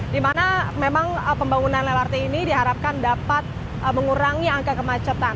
di mana memang pembangunan lrt ini diharapkan dapat mengurangi angka kemacetan